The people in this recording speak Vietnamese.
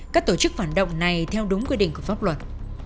các tổ chức phản động này theo đúng quy định của pháp luật